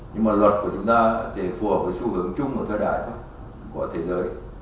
nhưng mà luật của chúng ta thì phù hợp với xu hướng chung của thời đại của thế giới